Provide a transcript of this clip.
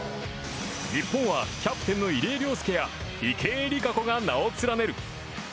日本はキャプテンの入江陵介や池江璃花子が名を連ねる。